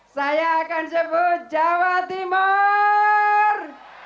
saya akan sebut jawa timur